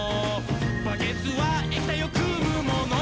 「バケツは液体をくむもの」